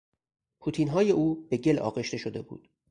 پوتینهای او به گل آغشته شده بود.